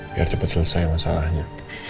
biar cepat selesai masalahnya